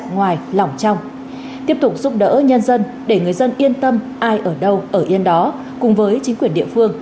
các cấp công an tiếp tục giúp đỡ nhân dân để người dân yên tâm ai ở đâu ở yên đó cùng với chính quyền địa phương